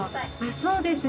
そうですね。